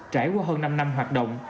trải qua hơn năm năm hoạt động